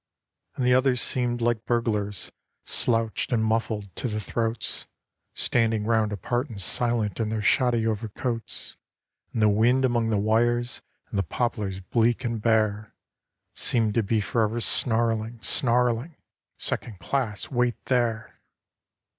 And the others seemed like burglars, slouched and muffled to the throats, Standing round apart and silent in their shoddy overcoats, And the wind among the wires, and the poplars bleak and bare, Seemed to be for ever snarling, snarling 'Second class wait there.